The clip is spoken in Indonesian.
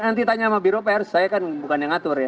nanti tanya sama biro pers saya kan bukan yang ngatur ya